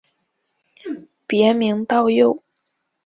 别名道佑。